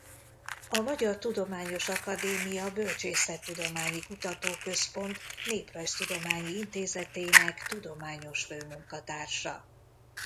A Magyar Tudományos Akadémia Bölcsészettudományi Kutatóközpont Néprajztudományi Intézetének tudományos főmunkatársa.